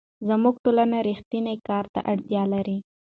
زموږ ټولنه رښتیني کار ته اړتیا لري.